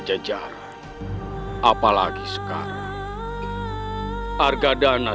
gusti prabu argadana